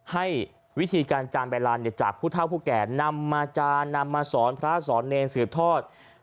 ให้วิธีการจานใบลานจากผู้เท่าผู้แก่นำมาจานนำมาสอนพระสอนเนรสืบทอด